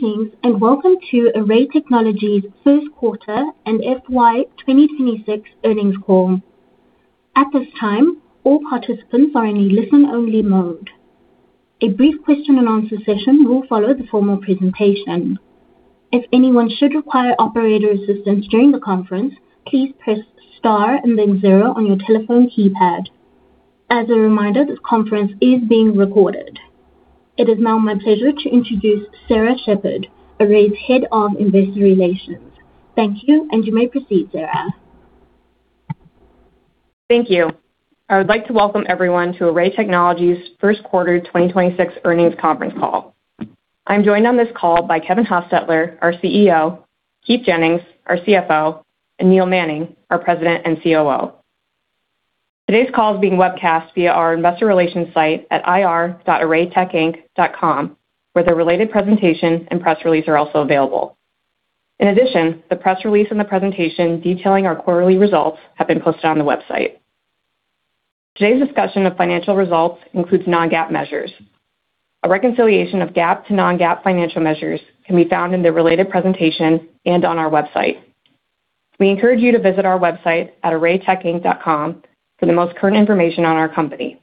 Greetings, and welcome to Array Technologies' first quarter and FY 2026 earnings call, at this time all participant are in listen only mode, a brief question and answer session will followed after the presentation, if anyone should require operator assistance during the conference, please press star and then zero on you telephone keypad as a reminder this conference is being recorded. It is now my pleasure to introduce Sarah Sheppard, Array's Head of Investor Relations. Thank you, and you may proceed, Sarah. Thank you. I would like to welcome everyone to Array Technologies' first quarter 2026 earnings conference call. I'm joined on this call by Kevin Hostetler, our Chief Executive Officer, Keith Jennings, our Chief Financial Officer, and Neil Manning, our President and Chief Operating Officer. Today's call is being webcast via our investor relations site at ir.arraytechinc.com, where the related presentation and press release are also available. In addition, the press release and the presentation detailing our quarterly results have been posted on the website. Today's discussion of financial results includes non-GAAP measures. A reconciliation of GAAP to non-GAAP financial measures can be found in the related presentation and on our website. We encourage you to visit our website at arraytechinc.com for the most current information on our company.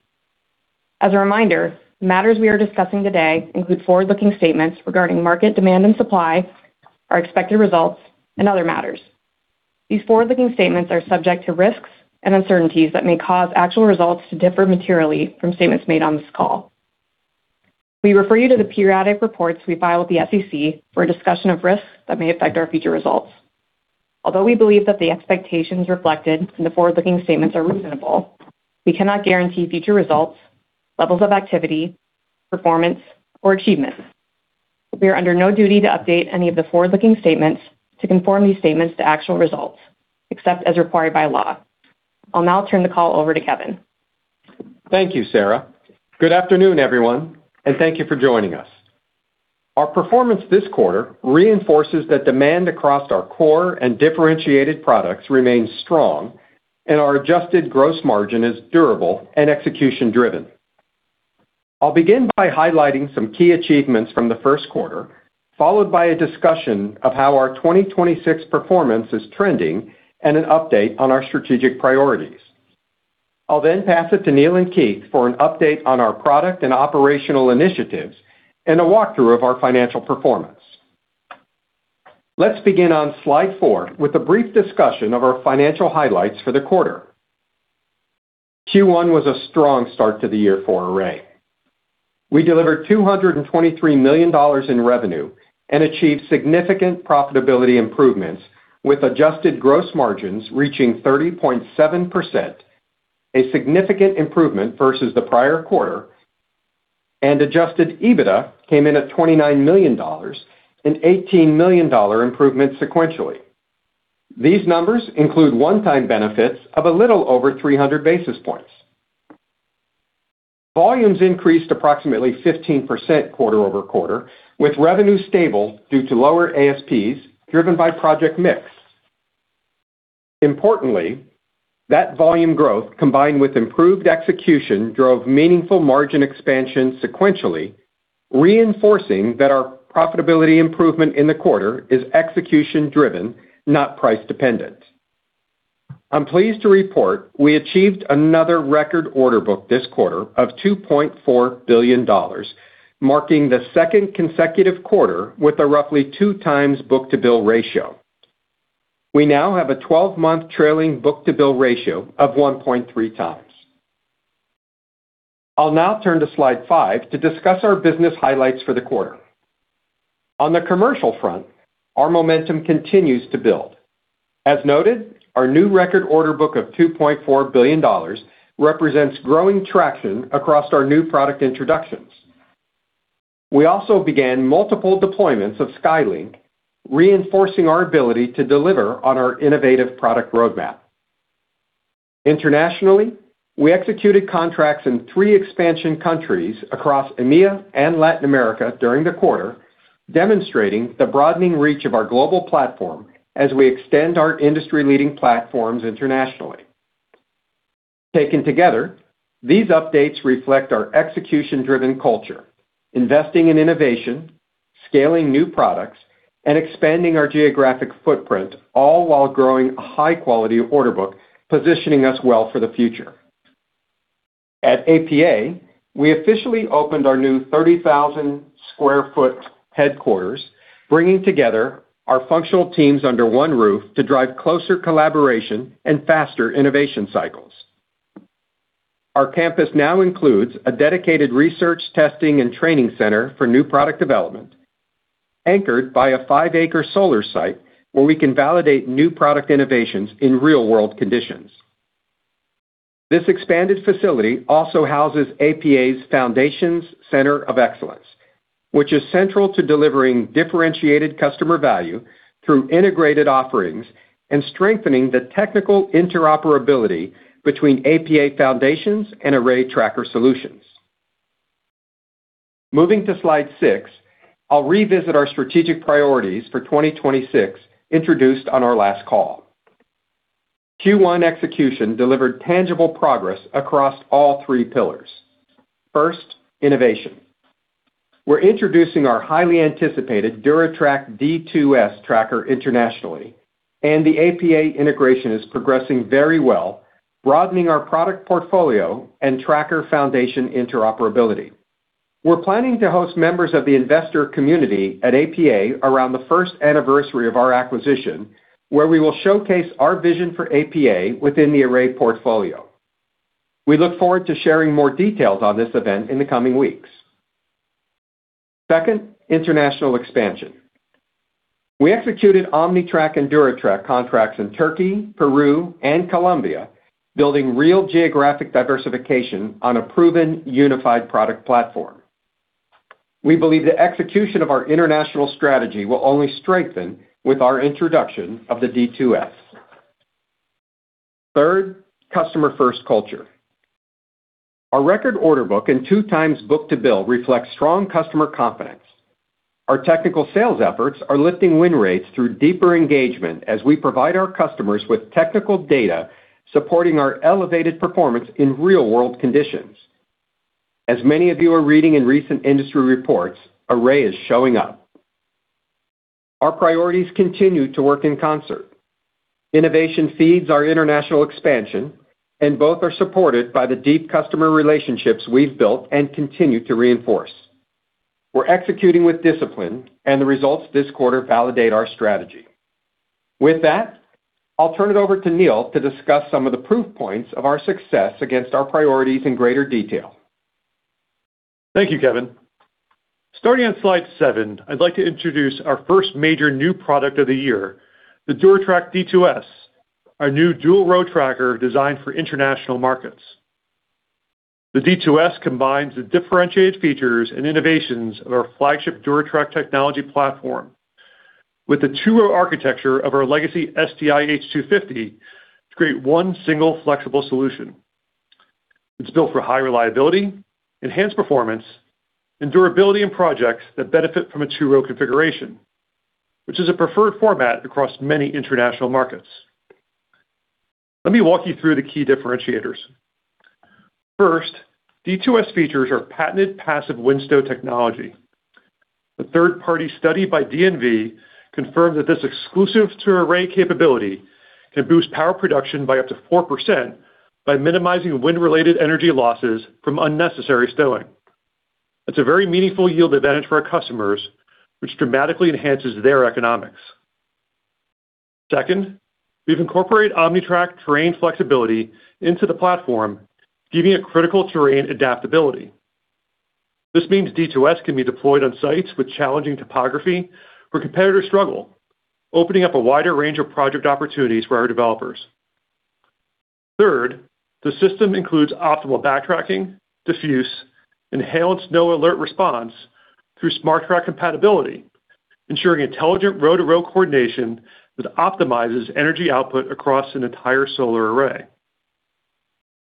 As a reminder, matters we are discussing today include forward-looking statements regarding market demand and supply, our expected results, and other matters. These forward-looking statements are subject to risks and uncertainties that may cause actual results to differ materially from statements made on this call. We refer you to the periodic reports we file with the SEC for a discussion of risks that may affect our future results. Although we believe that the expectations reflected in the forward-looking statements are reasonable, we cannot guarantee future results, levels of activity, performance, or achievements. We are under no duty to update any of the forward-looking statements to conform these statements to actual results, except as required by law. I'll now turn the call over to Kevin. Thank you, Sarah. Good afternoon, everyone, and thank you for joining us. Our performance this quarter reinforces that demand across our core and differentiated products remains strong, and our adjusted gross margin is durable and execution-driven. I'll begin by highlighting some key achievements from the first quarter, followed by a discussion of how our 2026 performance is trending and an update on our strategic priorities. I'll pass it to Neil and Keith for an update on our product and operational initiatives and a walkthrough of our financial performance. Let's begin on slide four with a brief discussion of our financial highlights for the quarter. Q1 was a strong start to the year for Array. We delivered $223 million in revenue and achieved significant profitability improvements, with adjusted gross margins reaching 30.7%, a significant improvement versus the prior quarter, and Adjusted EBITDA came in at $29 million, an $18 million improvement sequentially. These numbers include one-time benefits of a little over 300 basis points. Volumes increased approximately 15% quarter-over-quarter, with revenue stable due to lower ASPs driven by project mix. Importantly, that volume growth, combined with improved execution, drove meaningful margin expansion sequentially, reinforcing that our profitability improvement in the quarter is execution-driven, not price-dependent. I'm pleased to report we achieved another record order book this quarter of $2.4 billion, marking the second consecutive quarter with a roughly 2x book-to-bill ratio. We now have a 12-month trailing book-to-bill ratio of 1.3x. I'll now turn to slide five to discuss our business highlights for the quarter. On the commercial front, our momentum continues to build. As noted, our new record order book of $2.4 billion represents growing traction across our new product introductions. We also began multiple deployments of SkyLink, reinforcing our ability to deliver on our innovative product roadmap. Internationally, we executed contracts in three expansion countries across EMEA and Latin America during the quarter, demonstrating the broadening reach of our global platform as we extend our industry-leading platforms internationally. Taken together, these updates reflect our execution-driven culture, investing in innovation, scaling new products, and expanding our geographic footprint, all while growing a high-quality order book, positioning us well for the future. At APA, we officially opened our new 30,000 sq ft headquarters, bringing together our functional teams under one roof to drive closer collaboration and faster innovation cycles. Our campus now includes a dedicated research, testing, and training center for new product development, anchored by a 5-acre solar site where we can validate new product innovations in real-world conditions. This expanded facility also houses APA's Foundations Center of Excellence, which is central to delivering differentiated customer value through integrated offerings and strengthening the technical interoperability between APA Foundations and Array Tracker Solutions. Moving to slide six, I'll revisit our strategic priorities for 2026 introduced on our last call. Q1 execution delivered tangible progress across all three pillars. First, innovation. We're introducing our highly anticipated DuraTrack D2S tracker internationally, and the APA integration is progressing very well, broadening our product portfolio and tracker foundation interoperability. We're planning to host members of the investor community at APA around the first anniversary of our acquisition, where we will showcase our vision for APA within the Array portfolio. We look forward to sharing more details on this event in the coming weeks. Second, international expansion. We executed OmniTrack and DuraTrack contracts in Turkey, Peru, and Colombia, building real geographic diversification on a proven unified product platform. We believe the execution of our international strategy will only strengthen with our introduction of the D2S. Third, customer first culture. Our record order book and 2 times book-to-bill reflects strong customer confidence. Our technical sales efforts are lifting win rates through deeper engagement as we provide our customers with technical data supporting our elevated performance in real-world conditions. As many of you are reading in recent industry reports, Array is showing up. Our priorities continue to work in concert. Innovation feeds our international expansion, and both are supported by the deep customer relationships we've built and continue to reinforce. We're executing with discipline, and the results this quarter validate our strategy. With that, I'll turn it over to Neil to discuss some of the proof points of our success against our priorities in greater detail. Thank you, Kevin. Starting on slide seven, I'd like to introduce our first major new product of the year, the DuraTrack D2S, our new dual-row tracker designed for international markets. The D2S combines the differentiated features and innovations of our flagship DuraTrack technology platform with the 2-row architecture of our legacy STI H250 to create one single flexible solution. It's built for high reliability, enhanced performance, and durability in projects that benefit from a 2-row configuration, which is a preferred format across many international markets. Let me walk you through the key differentiators. First, D2S features our patented passive wind stow technology. A third-party study by DNV confirmed that this exclusive to Array capability can boost power production by up to 4% by minimizing wind-related energy losses from unnecessary stowing. It's a very meaningful yield advantage for our customers, which dramatically enhances their economics. We've incorporated OmniTrack terrain flexibility into the platform, giving it critical terrain adaptability. This means D2S can be deployed on sites with challenging topography where competitors struggle, opening up a wider range of project opportunities for our developers. The system includes optimal backtracking, diffuse, and hail and snow alert response through SmarTrack compatibility, ensuring intelligent row-to-row coordination that optimizes energy output across an entire solar array.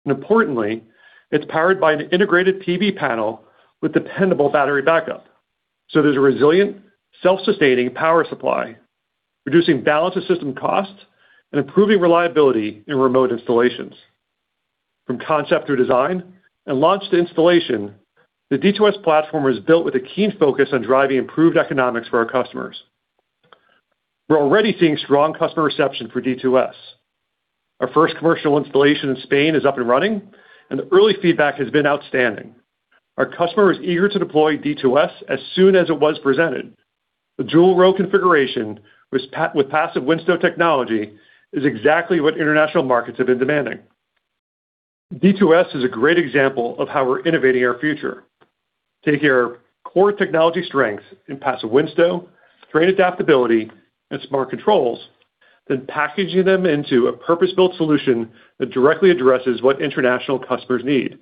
Importantly, it's powered by an integrated PV panel with dependable battery backup. There's a resilient, self-sustaining power supply, reducing balance of system costs and improving reliability in remote installations. From concept to design and launch to installation, the D2S platform was built with a keen focus on driving improved economics for our customers. We're already seeing strong customer reception for D2S. Our first commercial installation in Spain is up and running. The early feedback has been outstanding. Our customer was eager to deploy D2S as soon as it was presented. The dual-row configuration with passive wind stow technology is exactly what international markets have been demanding. D2S is a great example of how we're innovating our future. Take our core technology strengths in passive wind stow, terrain adaptability, and smart controls, then packaging them into a purpose-built solution that directly addresses what international customers need.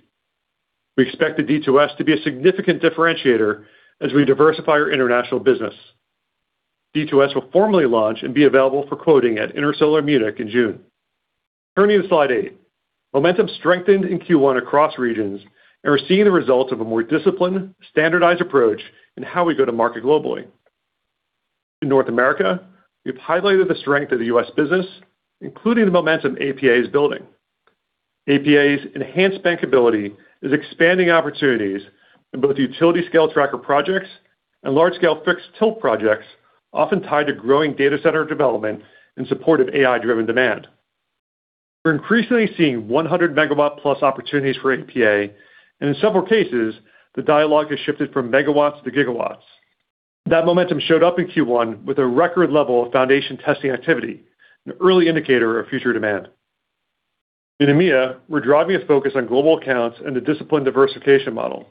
We expect the D2S to be a significant differentiator as we diversify our international business. D2S will formally launch and be available for quoting at Intersolar Europe in June. Turning to slide eight. Momentum strengthened in Q1 across regions, and we're seeing the results of a more disciplined, standardized approach in how we go to market globally. In North America, we've highlighted the strength of the U.S. business, including the momentum APA is building. APA's enhanced bankability is expanding opportunities in both utility scale tracker projects and large scale fixed tilt projects, often tied to growing data center development in support of AI-driven demand. We're increasingly seeing 100 MW plus opportunities for APA, and in several cases, the dialogue has shifted from megawatts to gigawatts. That momentum showed up in Q1 with a record level of foundation testing activity, an early indicator of future demand. In EMEA, we're driving a focus on global accounts and a disciplined diversification model.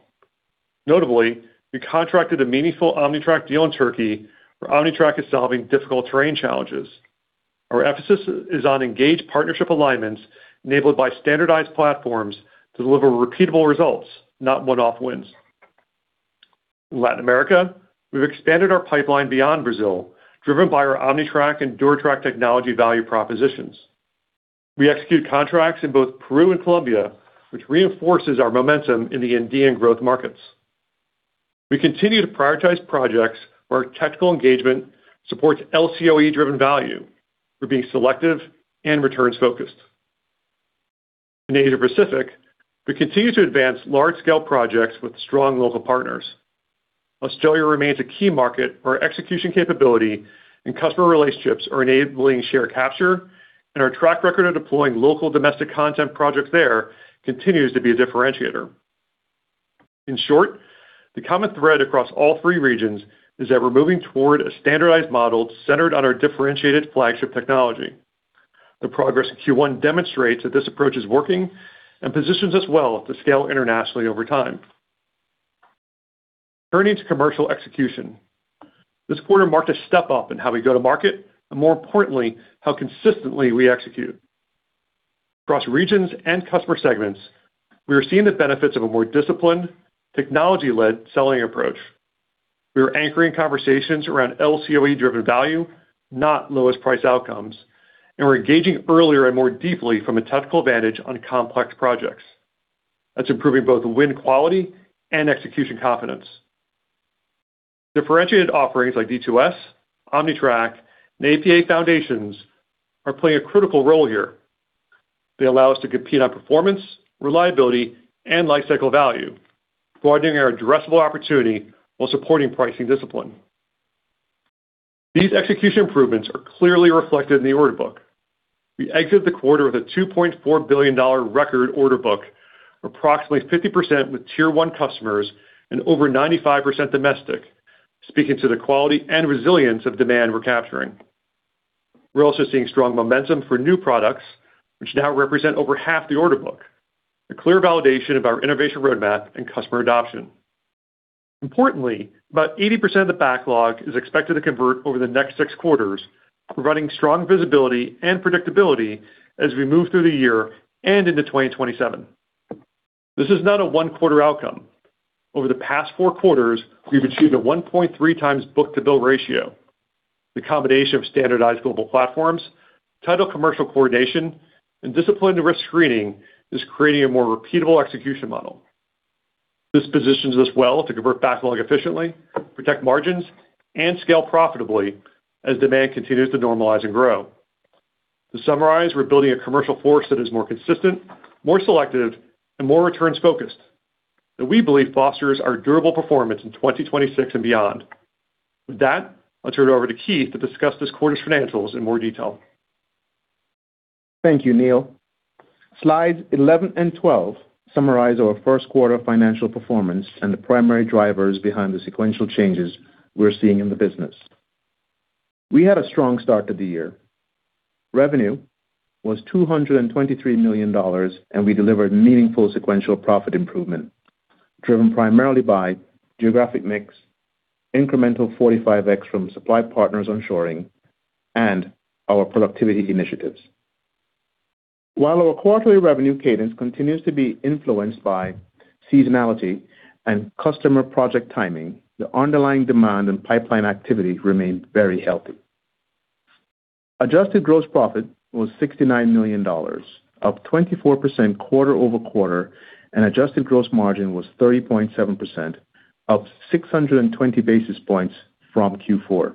Notably, we contracted a meaningful OmniTrack deal in Turkey, where OmniTrack is solving difficult terrain challenges. Our emphasis is on engaged partnership alignments enabled by standardized platforms to deliver repeatable results, not one-off wins. In Latin America, we've expanded our pipeline beyond Brazil, driven by our OmniTrack and DuraTrack technology value propositions. We execute contracts in both Peru and Colombia, which reinforces our momentum in the Andean growth markets. We continue to prioritize projects where our technical engagement supports LCOE-driven value. We're being selective and returns-focused. In Asia-Pacific, we continue to advance large-scale projects with strong local partners. Australia remains a key market where our execution capability and customer relationships are enabling share capture, and our track record of deploying local domestic content projects there continues to be a differentiator. In short, the common thread across all three regions is that we're moving toward a standardized model centered on our differentiated flagship technology. The progress in Q1 demonstrates that this approach is working and positions us well to scale internationally over time. Turning to commercial execution. This quarter marked a step up in how we go to market, and more importantly, how consistently we execute. Across regions and customer segments, we are seeing the benefits of a more disciplined, technology-led selling approach. We are anchoring conversations around LCOE-driven value, not lowest price outcomes, and we're engaging earlier and more deeply from a technical advantage on complex projects. That's improving both win quality and execution confidence. Differentiated offerings like D2S, OmniTrack, and APA Foundations are playing a critical role here. They allow us to compete on performance, reliability, and lifecycle value, broadening our addressable opportunity while supporting pricing discipline. These execution improvements are clearly reflected in the order book. We exited the quarter with a $2.4 billion record order book, approximately 50% with Tier 1 customers and over 95% domestic, speaking to the quality and resilience of demand we're capturing. We're also seeing strong momentum for new products, which now represent over half the order book, a clear validation of our innovation roadmap and customer adoption. Importantly, about 80% of the backlog is expected to convert over the next six quarters, providing strong visibility and predictability as we move through the year and into 2027. This is not a one quarter outcome. Over the past four quarters, we've achieved a 1.3x book-to-bill ratio. The combination of standardized global platforms, titled commercial coordination, and disciplined risk screening is creating a more repeatable execution model. This positions us well to convert backlog efficiently, protect margins, and scale profitably as demand continues to normalize and grow. To summarize, we're building a commercial force that is more consistent, more selective, and more returns-focused that we believe fosters our durable performance in 2026 and beyond. With that, I'll turn it over to Keith to discuss this quarter's financials in more detail. Thank you, Neil. Slides 11 and 12 summarize our first quarter financial performance and the primary drivers behind the sequential changes we're seeing in the business. We had a strong start to the year. Revenue was $223 million, and we delivered meaningful sequential profit improvement, driven primarily by geographic mix, incremental 45X from supply partners onshoring, and our productivity initiatives. While our quarterly revenue cadence continues to be influenced by seasonality and customer project timing, the underlying demand and pipeline activity remained very healthy. Adjusted gross profit was $69 million, up 24% quarter-over-quarter, and adjusted gross margin was 30.7%, up 620 basis points from Q4.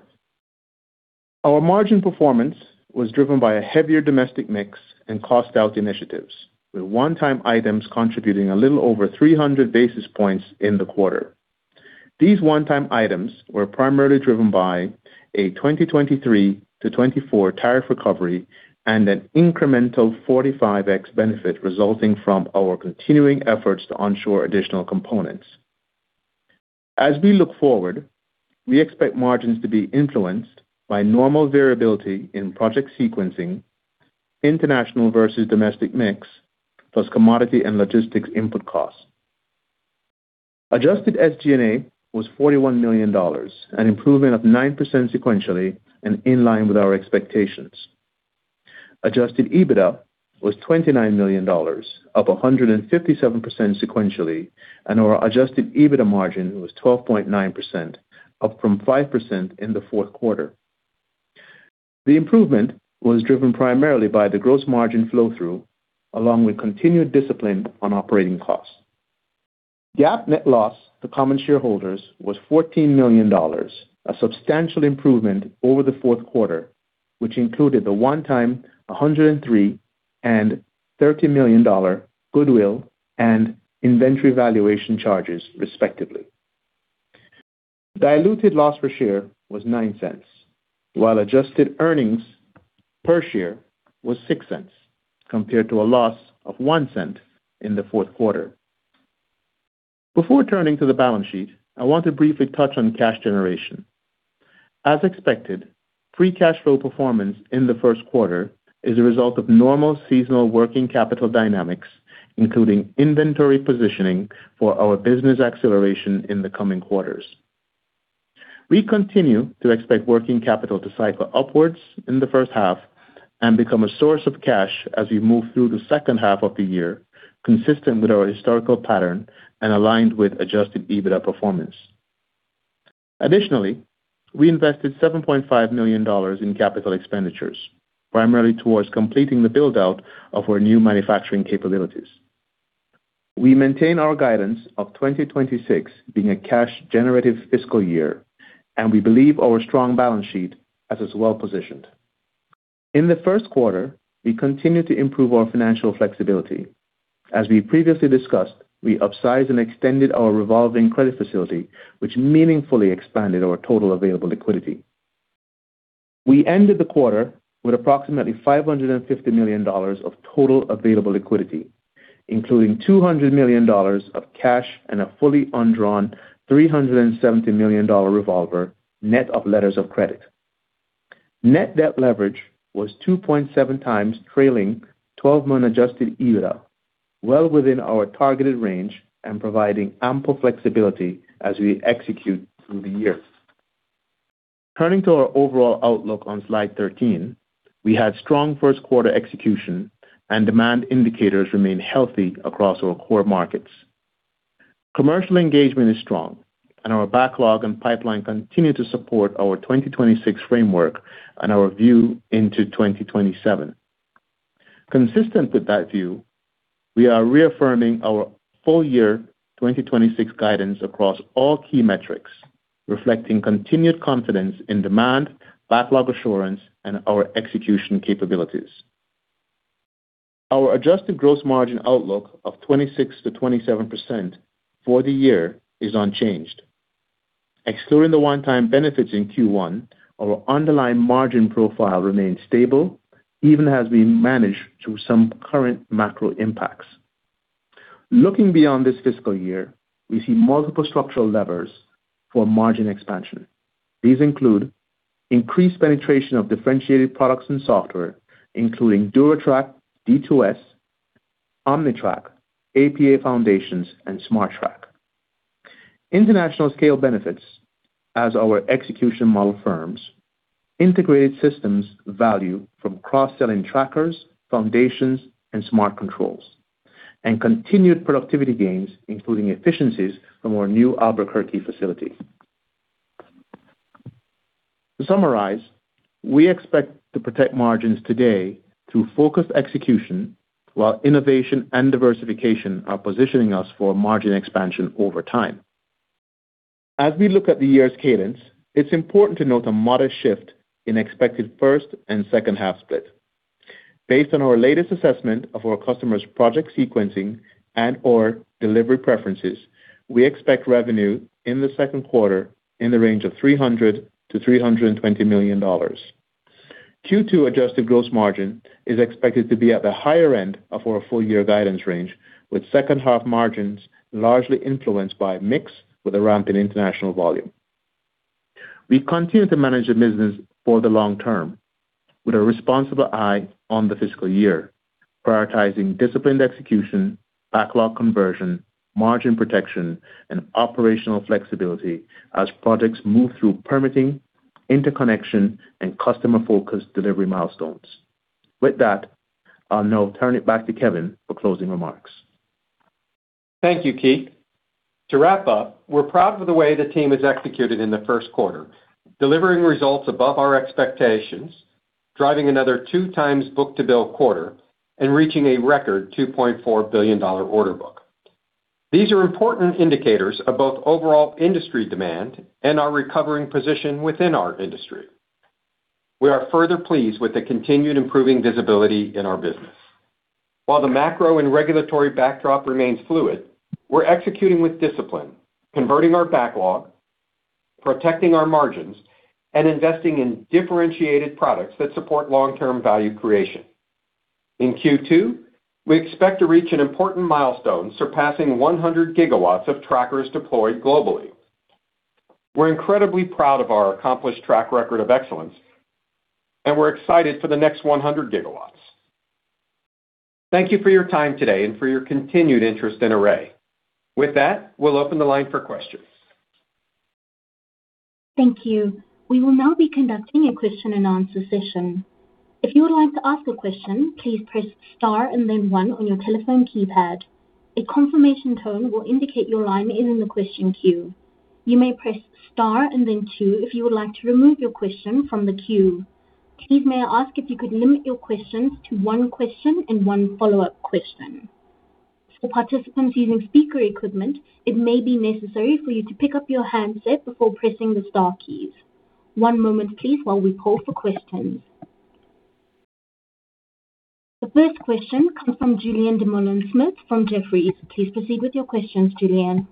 Our margin performance was driven by a heavier domestic mix and cost out initiatives, with one-time items contributing a little over 300 basis points in the quarter. These one-time items were primarily driven by a 2023 to 2024 tariff recovery and an incremental 45X benefit resulting from our continuing efforts to onshore additional components. As we look forward, we expect margins to be influenced by normal variability in project sequencing, international versus domestic mix, plus commodity and logistics input costs. Adjusted SG&A was $41 million, an improvement of 9% sequentially and in line with our expectations. Adjusted EBITDA was $29 million, up 157% sequentially, and our Adjusted EBITDA margin was 12.9%, up from 5% in the fourth quarter. The improvement was driven primarily by the gross margin flow-through, along with continued discipline on operating costs. GAAP net loss to common shareholders was $14 million, a substantial improvement over the fourth quarter, which included the one-time $103 million and $30 million goodwill and inventory valuation charges, respectively. Diluted loss per share was $0.09, while Adjusted earnings per share was $0.06, compared to a loss of $0.01 in the fourth quarter. Before turning to the balance sheet, I want to briefly touch on cash generation. As expected, free cash flow performance in the first quarter is a result of normal seasonal working capital dynamics, including inventory positioning for our business acceleration in the coming quarters. We continue to expect working capital to cycle upwards in the first half and become a source of cash as we move through the second half of the year, consistent with our historical pattern and aligned with Adjusted EBITDA performance. Additionally, we invested $7.5 million in capital expenditures, primarily towards completing the build-out of our new manufacturing capabilities. We maintain our guidance of 2026 being a cash generative fiscal year, and we believe our strong balance sheet as is well-positioned. In the first quarter, we continued to improve our financial flexibility. As we previously discussed, we upsized and extended our revolving credit facility, which meaningfully expanded our total available liquidity. We ended the quarter with approximately $550 million of total available liquidity, including $200 million of cash and a fully undrawn $370 million revolver, net of letters of credit. Net debt leverage was 2.7x trailing 12 month Adjusted EBITDA, well within our targeted range and providing ample flexibility as we execute through the years. Turning to our overall outlook on slide 13, we had strong first quarter execution and demand indicators remain healthy across our core markets. Commercial engagement is strong and our backlog and pipeline continue to support our 2026 framework and our view into 2027. Consistent with that view, we are reaffirming our full year 2026 guidance across all key metrics, reflecting continued confidence in demand, backlog assurance, and our execution capabilities. Our Adjusted gross margin outlook of 26%-27% for the year is unchanged. Excluding the one-time benefits in Q1, our underlying margin profile remains stable, even as we manage through some current macro impacts. Looking beyond this fiscal year, we see multiple structural levers for margin expansion. These include increased penetration of differentiated products and software, including DuraTrack, D2S, OmniTrack, APA Foundations, and SmarTrack. International scale benefits as our execution model firms, integrated systems value from cross-selling trackers, foundations, and smart controls, and continued productivity gains, including efficiencies from our new Albuquerque facility. To summarize, we expect to protect margins today through focused execution while innovation and diversification are positioning us for margin expansion over time. As we look at the year's cadence, it's important to note a modest shift in expected first and second half split. Based on our latest assessment of our customers' project sequencing and/or delivery preferences, we expect revenue in the second quarter in the range of $300 million-$320 million. Q2 Adjusted gross margin is expected to be at the higher end of our full year guidance range, with second half margins largely influenced by mix with a ramp in international volume. We continue to manage the business for the long term with a responsible eye on the fiscal year, prioritizing disciplined execution, backlog conversion, margin protection, and operational flexibility as projects move through permitting, interconnection, and customer-focused delivery milestones. With that, I'll now turn it back to Kevin for closing remarks. Thank you, Keith. To wrap up, we're proud of the way the team has executed in the 1st quarter, delivering results above our expectations, driving another 2x book-to-bill quarter, and reaching a record $2.4 billion order book. These are important indicators of both overall industry demand and our recovering position within our industry. We are further pleased with the continued improving visibility in our business. While the macro and regulatory backdrop remains fluid, we're executing with discipline, converting our backlog, protecting our margins, and investing in differentiated products that support long-term value creation. In Q2, we expect to reach an important milestone, surpassing 100 GW of trackers deployed globally. We're incredibly proud of our accomplished track record of excellence, and we're excited for the next 100 GW. Thank you for your time today and for your continued interest in Array. With that, we'll open the line for questions. Thank you. We will now be conducting a question and answer session. If you would like to ask a question, please press star and then one on your telephone keypad. A confirmation tone will indicate your line is in the question queue. You may press star and then two if you would like to remove your question from the queue. Please may I ask if you could limit your questions to one question and one follow-up question. For participants using speaker equipment, it may be necessary for you to pick up your handset before pressing the star keys. One moment please while we call for questions. The first question comes from Julien Dumoulin-Smith from Jefferies. Please proceed with your questions, Julien.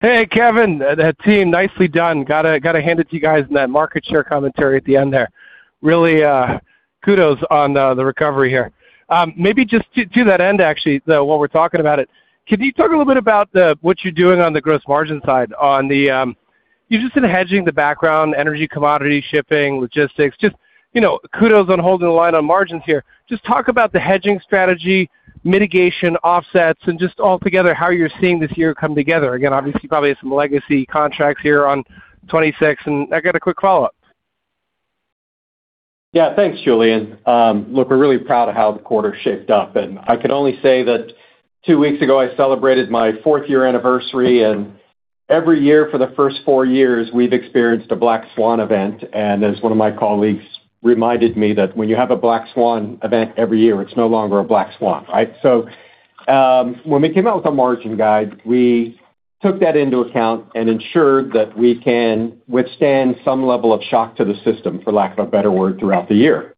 Hey, Kevin and team. Nicely done. Gotta hand it to you guys in that market share commentary at the end there. really kudos on the recovery here. Maybe just to that end actually, though, while we're talking about it, can you talk a little bit about what you're doing on the gross margin side on the, You've just been hedging the background, energy commodity, shipping, logistics, just, you know, kudos on holding the line on margins here. Just talk about the hedging strategy, mitigation, offsets, and just altogether how you're seeing this year come together. Again, obviously you probably have some legacy contracts here on 2026. I got a quick follow-up. Thanks, Julien. Look, we're really proud of how the quarter shaped up. I can only say that two weeks ago, I celebrated my fourth year anniversary. Every year for the first four years, we've experienced a black swan event. As one of my colleagues reminded me that when you have a black swan event every year, it's no longer a black swan, right? When we came out with a margin guide, we took that into account and ensured that we can withstand some level of shock to the system, for lack of a better word, throughout the year.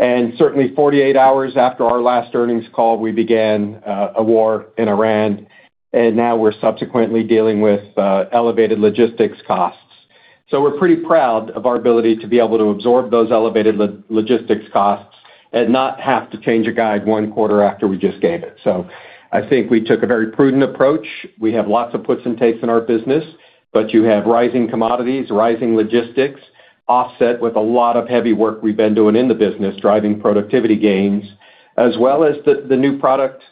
Certainly, 48 hours after our last earnings call, we began a war in Iran, and now we're subsequently dealing with elevated logistics costs. We're pretty proud of our ability to be able to absorb those elevated logistics costs and not have to change a guide one quarter after we just gave it. I think we took a very prudent approach. We have lots of puts and takes in our business, but you have rising commodities, rising logistics, offset with a lot of heavy work we've been doing in the business, driving productivity gains, as well as the new product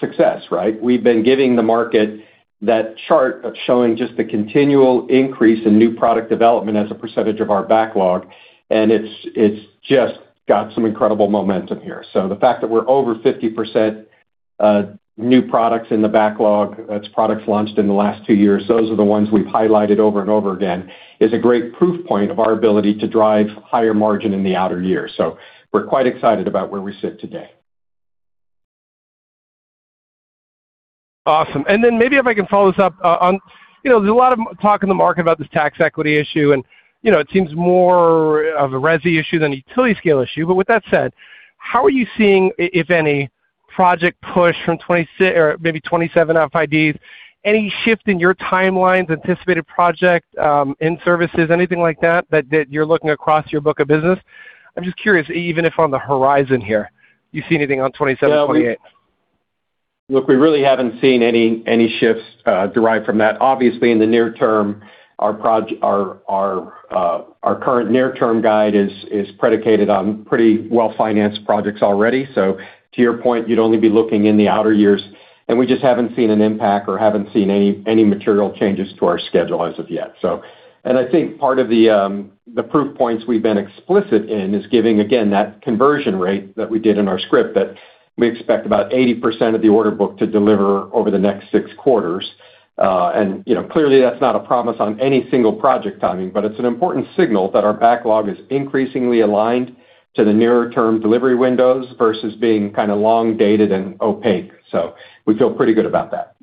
success, right? We've been giving the market that chart of showing just the continual increase in new product development as a percentage of our backlog, and it's just got some incredible momentum here. The fact that we're over 50% new products in the backlog, that's products launched in the last two years, those are the ones we've highlighted over and over again, is a great proof point of our ability to drive higher margin in the outer year. We're quite excited about where we sit today. Awesome. Then maybe if I can follow this up, on, you know, there's a lot of talk in the market about this tax equity issue, and, you know, it seems more of a residential issue than a utility scale issue. With that said, how are you seeing, if any, project push from 2027 FIDs? Any shift in your timelines, anticipated project, in services, anything like that you're looking across your book of business? I'm just curious, even if on the horizon here, do you see anything on 2027, 2028? Look, we really haven't seen any shifts derived from that. Obviously, in the near term, our current near term guide is predicated on pretty well-financed projects already. To your point, you'd only be looking in the outer years, and we just haven't seen an impact or haven't seen any material changes to our schedule as of yet. I think part of the proof points we've been explicit in is giving, again, that conversion rate that we did in our script, that we expect about 80% of the order book to deliver over the next six quarters. You know, clearly, that's not a promise on any single project timing, but it's an important signal that our backlog is increasingly aligned to the nearer term delivery windows versus being kinda long dated and opaque. We feel pretty good about that.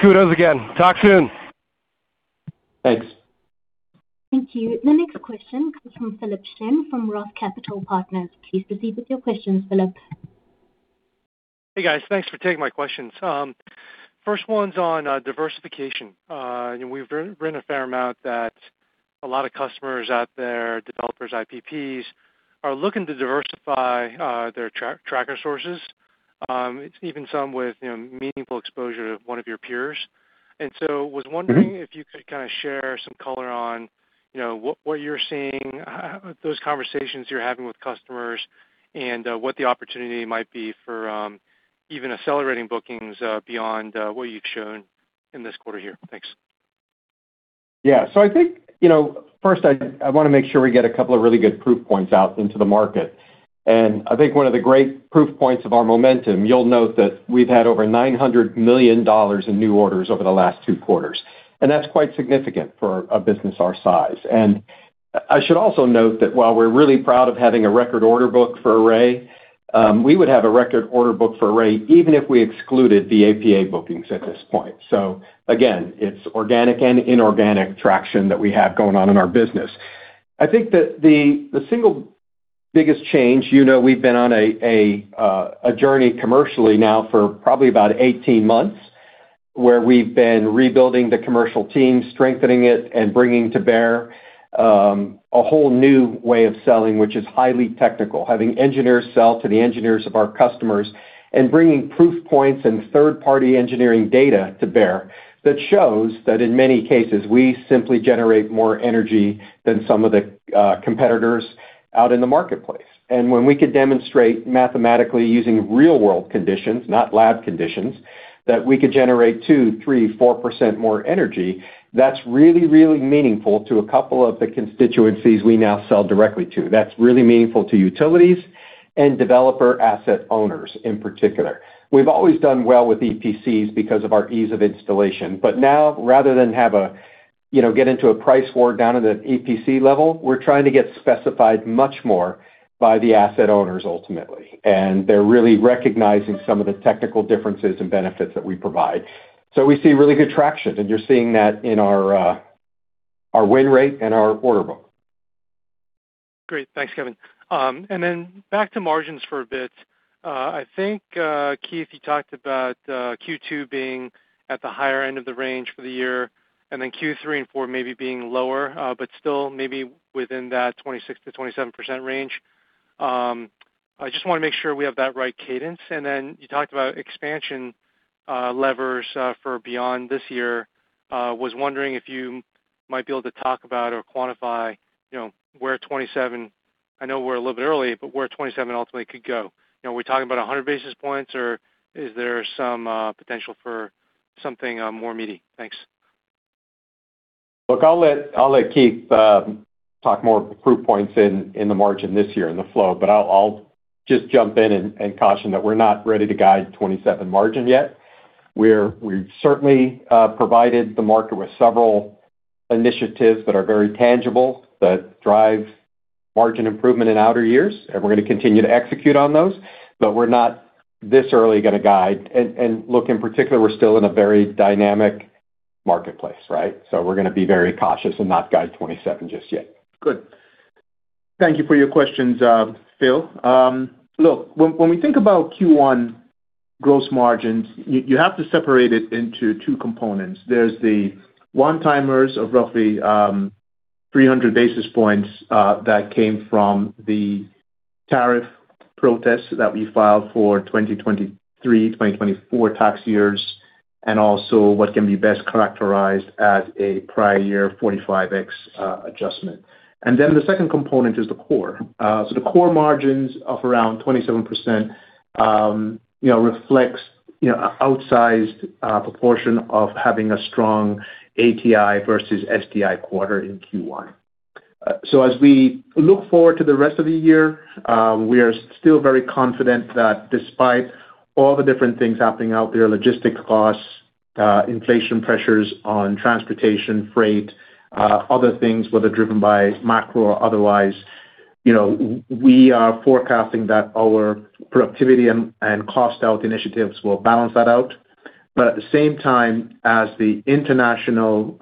Kudos again. Talk soon. Thanks. Thank you. The next question comes from Philip Shen from Roth Capital Partners. Please proceed with your questions, Philip. Hey, guys. Thanks for taking my questions. First one's on diversification. You know, we've heard a fair amount that a lot of customers out there, developers, IPPs, are looking to diversify their tracker sources, even some with, you know meaningful exposure to one of your peers. Was wondering. If you could kinda share some color on, you know, what you're seeing, how those conversations you're having with customers and what the opportunity might be for even accelerating bookings beyond what you've shown in this quarter here? Thanks. Yeah. I think, you know, first I want to make sure we get a couple of really good proof points out into the market. I think one of the great proof points of our momentum, you'll note that we've had over $900 million in new orders over the last two quarters, that's quite significant for a business our size. I should also note that while we're really proud of having a record order book for Array, we would have a record order book for Array even if we excluded the APA bookings at this point. Again, it's organic and inorganic traction that we have going on in our business. I think that the single biggest change, you know, we've been on a journey commercially now for probably about 18 months, where we've been rebuilding the commercial team, strengthening it, and bringing to bear a whole new way of selling, which is highly technical. Having engineers sell to the engineers of our customers and bringing proof points and third-party engineering data to bear that shows that in many cases, we simply generate more energy than some of the competitors out in the marketplace. When we could demonstrate mathematically using real world conditions, not lab conditions, that we could generate 2%, 3%, 4% more energy, that's really, really meaningful to a couple of the constituencies we now sell directly to. That's really meaningful to utilities and developer asset owners in particular. We've always done well with EPCs because of our ease of installation. Now rather than have a, you know, get into a price war down at an EPC level, we're trying to get specified much more by the asset owners ultimately. They're really recognizing some of the technical differences and benefits that we provide. We see really good traction, and you're seeing that in our win rate and our order book. Great. Thanks, Kevin. Back to margins for a bit. I think, Keith, you talked about Q2 being at the higher end of the range for the year, Q3 and Q4 maybe being lower, but still maybe within that 26%-27% range. I just wanna make sure we have that right cadence. You talked about expansion levers for beyond this year. Was wondering if you might be able to talk about or quantify, you know, where 27 I know we're a little bit early, but where 27 ultimately could go. You know, are we talking about 100 basis points, or is there some potential for something more meaty? Thanks. Look, I'll let Keith talk more proof points in the margin this year in the flow, but I'll just jump in and caution that we're not ready to guide 2027 margin yet. We've certainly provided the market with several initiatives that are very tangible that drive margin improvement in outer years, and we're gonna continue to execute on those, but we're not this early gonna guide. Look, in particular, we're still in a very dynamic marketplace, right? We're gonna be very cautious and not guide 2027 just yet. Good. Thank you for your questions, Philip Shen. Look, when we think about Q1 gross margins, you have to separate it into two components. There's the one-timers of roughly 300 basis points that came from the tariff protests that we filed for 2023/2024 tax years, and also what can be best characterized as a prior year 45X adjustment. The second component is the core. The core margins of around 27%, you know, reflects, you know, outsized proportion of having a strong ATI versus STI quarter in Q1. As we look forward to the rest of the year, we are still very confident that despite all the different things happening out there, logistics costs, inflation pressures on transportation, freight, other things, whether driven by macro or otherwise, you know, we are forecasting that our productivity and cost out initiatives will balance that out. At the same time, as the international,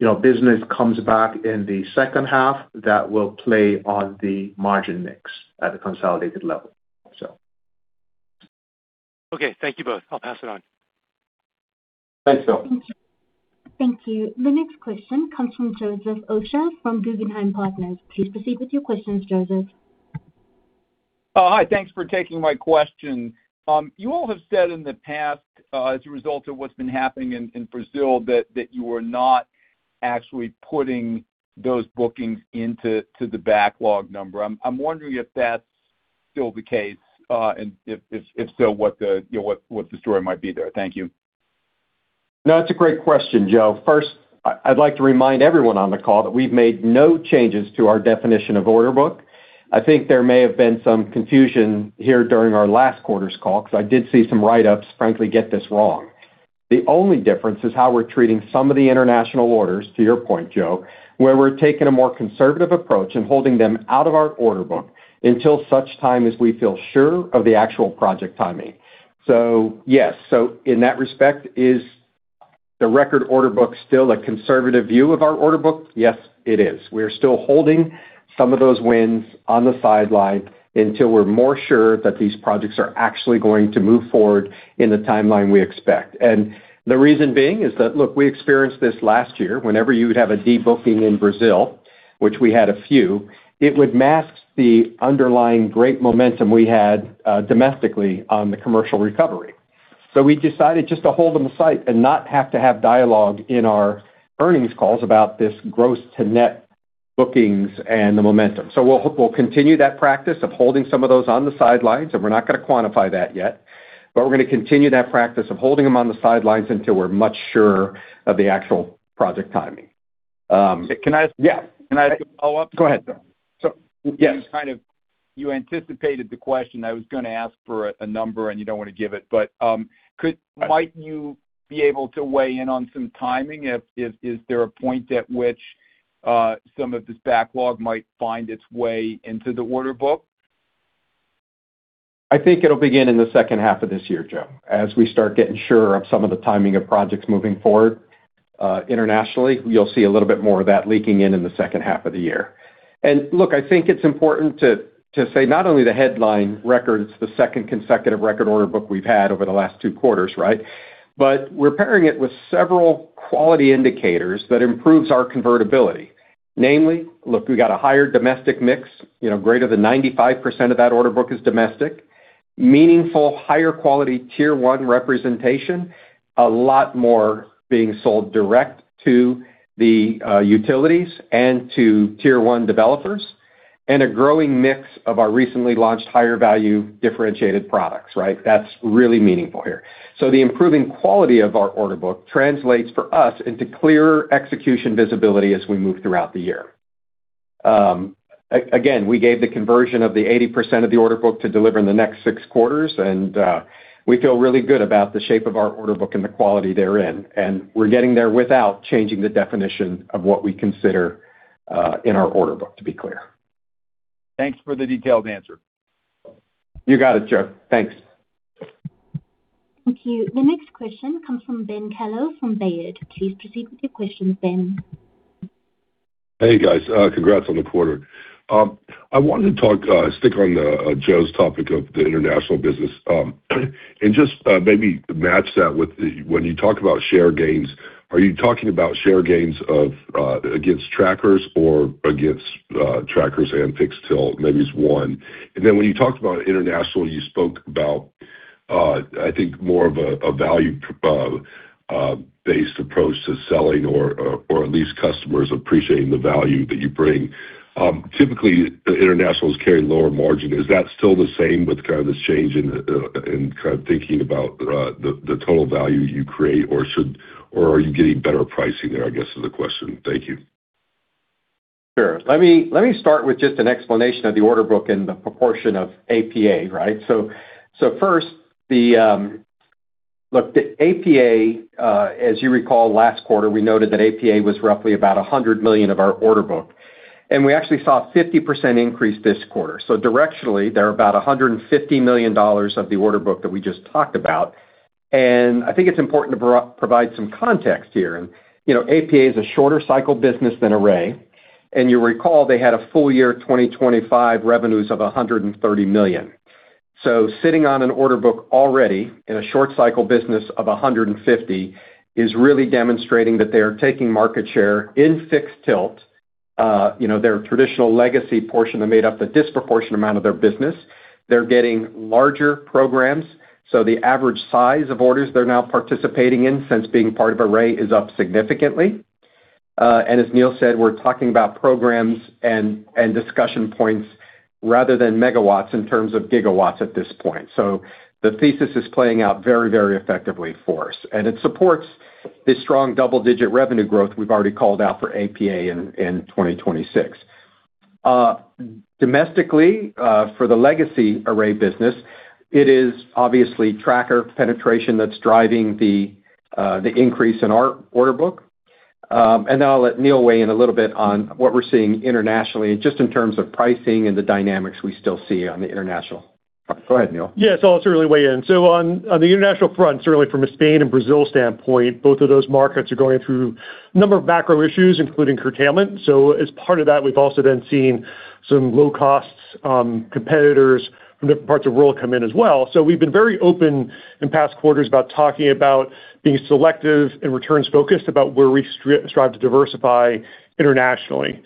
you know, business comes back in the second half, that will play on the margin mix at a consolidated level. Okay. Thank you both. I'll pass it on. Thanks, Philip. Thank you. The next question comes from Joseph Osha from Guggenheim Securities. Please proceed with your questions, Joseph. Oh, hi. Thanks for taking my question. You all have said in the past, as a result of what's been happening in Brazil that you were not actually putting those bookings into the backlog number. I'm wondering if that's still the case, and if so, what the, you know, what the story might be there. Thank you. That's a great question, Joseph. First, I'd like to remind everyone on the call that we've made no changes to our definition of order book. I think there may have been some confusion here during our last quarter's call, 'cause I did see some write-ups, frankly, get this wrong. The only difference is how we're treating some of the international orders, to your point, Joseph, where we're taking a more conservative approach and holding them out of our order book until such time as we feel sure of the actual project timing. Yes. In that respect, is the record order book still a conservative view of our order book? Yes, it is. We're still holding some of those wins on the sideline until we're more sure that these projects are actually going to move forward in the timeline we expect. The reason being is that, look, we experienced this last year. Whenever you would have a de-booking in Brazil, which we had a few, it would mask the underlying great momentum we had domestically on the commercial recovery. We decided just to hold them aside and not have to have dialogue in our earnings calls about this gross to net bookings and the momentum. We'll continue that practice of holding some of those on the sidelines, and we're not gonna quantify that yet. We're gonna continue that practice of holding them on the sidelines until we're much surer of the actual project timing. Can I ask- Yeah. Can I ask a follow-up? Go ahead. So- Yes. You kind of anticipated the question. I was gonna ask for a number, and you don't wanna give it. Might you be able to weigh in on some timing? Is there a point at which some of this backlog might find its way into the order book? I think it'll begin in the second half of this year, Joseph. As we start getting surer of some of the timing of projects moving forward, internationally, you'll see a little bit more of that leaking in in the second half of the year. Look, I think it's important to say not only the headline records, the second consecutive record order book we've had over the last two quarters, right? We're pairing it with several quality indicators that improves our convertibility. Namely look we got a higher domestic mix you know, greater than 95% of that order book is domestic. Meaningful higher quality Tier 1 representation, a lot more being sold direct to the utilities and to Tier 1 developers, and a growing mix of our recently launched higher value differentiated products, right? That's really meaningful here. The improving quality of our order book translates for us into clearer execution visibility as we move throughout the year. Again, we gave the conversion of the 80% of the order book to deliver in the next six quarters, and we feel really good about the shape of our order book and the quality therein. We're getting there without changing the definition of what we consider in our order book, to be clear. Thanks for the detailed answer. You got it, Joseph. Thanks. Thank you. The next question comes from Ben Kallo from Baird. Please proceed with your questions, Ben. Hey, guys. Congrats on the quarter. I wanted to talk, stick on Joseph's topic of the international business, and just maybe match that with when you talk about share gains, are you talking about share gains of against trackers or against trackers and fixed-tilt, maybe it's one. When you talked about international, you spoke about I think more of a value-based approach to selling or at least customers appreciating the value that you bring. Typically, the internationals carry lower margin. Is that still the same with kind of this change in kind of thinking about the total value you create, or are you getting better pricing there, I guess, is the question. Thank you. Sure. Let me start with just an explanation of the order book and the proportion of APA, right? First, the Look, the APA, as you recall, last quarter, we noted that APA was roughly about $100 million of our order book, and we actually saw a 50% increase this quarter. Directionally, there are about $150 million of the order book that we just talked about. I think it's important to provide some context here. You know, APA is a shorter cycle business than Array, and you recall they had a full year 2025 revenues of $130 million. Sitting on an order book already in a short cycle business of $150 million is really demonstrating that they are taking market share in fixed tilt. You know, their traditional legacy portion that made up a disproportionate amount of their business. They're getting larger programs, so the average size of orders they're now participating in since being part of Array is up significantly. As Neil said, we're talking about programs and discussion points rather than megawatts in terms of gigawatts at this point. The thesis is playing out very, very effectively for us, and it supports this strong double-digit revenue growth we've already called out for APA in 2026. Domestically, for the legacy Array business, it is obviously tracker penetration that's driving the increase in our order book. Now I'll let Neil weigh in a little bit on what we're seeing internationally, just in terms of pricing and the dynamics we still see on the international. Go ahead, Neil. Yeah. I'll certainly weigh in. On the international front, certainly from a Spain and Brazil standpoint, both of those markets are going through a number of macro issues, including curtailment. As part of that, we've also then seen some low costs competitors from different parts of the world come in as well. We've been very open in past quarters about talking about being selective and returns focused about where we strive to diversify internationally.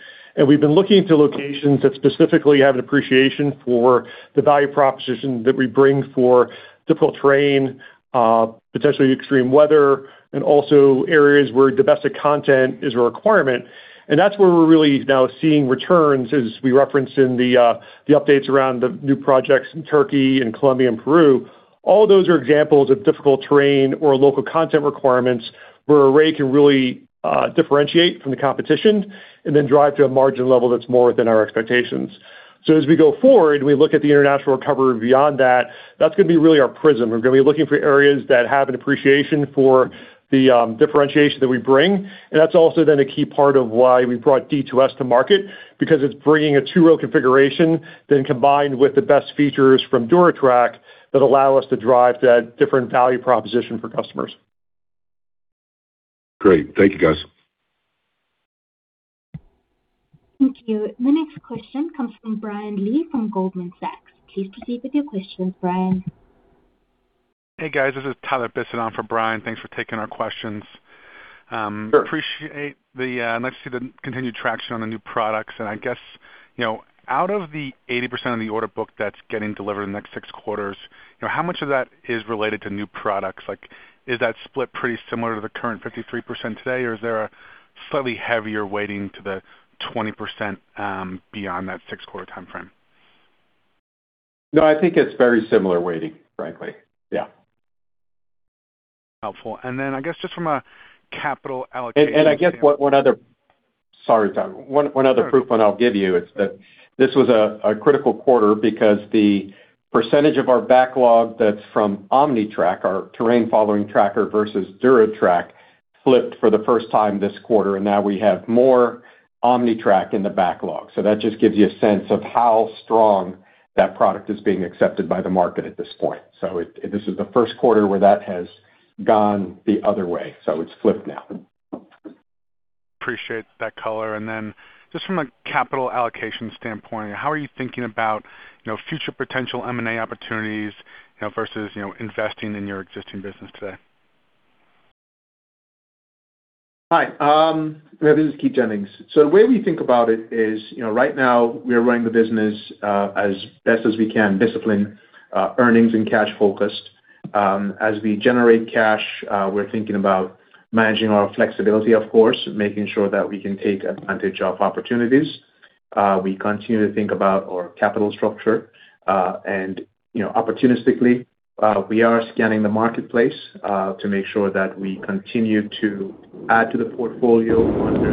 We've been looking to locations that specifically have an appreciation for the value proposition that we bring for difficult terrain, potentially extreme weather, and also areas where domestic content is a requirement. That's where we're really now seeing returns, as we referenced in the updates around the new projects in Turkey and Colombia and Peru. All those are examples of difficult terrain or local content requirements where Array can really differentiate from the competition and then drive to a margin level that's more within our expectations. As we go forward, we look at the international recovery beyond that's going to be really our prism. We're going to be looking for areas that have an appreciation for the differentiation that we bring. That's also then a key part of why we brought D2S to market, because it's bringing a two-row configuration, then combined with the best features from DuraTrack that allow us to drive that different value proposition for customers. Great. Thank you, guys. Thank you. The next question comes from Brian Lee from Goldman Sachs. Please proceed with your question, Brian. Hey, guys. This is Tyler Bisson for Brian Lee. Thanks for taking our questions. Sure. Appreciate the Nice to see the continued traction on the new products. I guess, out of the 80% of the order book that's getting delivered in the next six quarters, how much of that is related to new products? Is that split pretty similar to the current 53% today, or is there a slightly heavier weighting to the 20% beyond that six quarter timeframe? No, I think it's very similar weighting, frankly. Yeah. Helpful. I guess just from a capital allocation. I guess one other, Sorry, Tyler. One other proof point I'll give you is that this was a critical quarter because the percentage of our backlog that's from OmniTrack, our terrain following tracker versus DuraTrack, flipped for the first time this quarter, and now we have more OmniTrack in the backlog. That just gives you a sense of how strong that product is being accepted by the market at this point. This is the first quarter where that has gone the other way, so it's flipped now. Appreciate that color. Then just from a capital allocation standpoint, how are you thinking about, you know, future potential M&A opportunities, you know, versus, you know, investing in your existing business today? Hi. This is Keith Jennings. The way we think about it is, you know, right now we are running the business as best as we can, discipline, earnings, and cash focused. As we generate cash, we're thinking about managing our flexibility, of course, making sure that we can take advantage of opportunities. We continue to think about our capital structure. You know, opportunistically, we are scanning the marketplace to make sure that we continue to add to the portfolio under